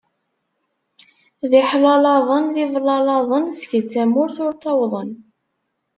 D iḥlalaḍan d iblalaḍen skedd tamurt ur ttawḍen.